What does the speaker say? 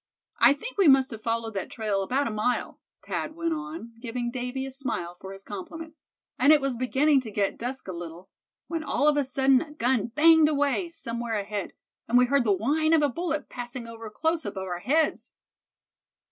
"I think we must have followed that trail about a mile;" Thad went on, giving Davy a smile for his compliment; "and it was beginning to get dusk a little, when all of a sudden a gun banged away, somewhere ahead, and we heard the whine of a bullet passing over close above our heads."